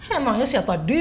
emangnya siapa dia